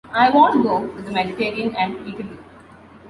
I want to go to the Mediterranean and Italy.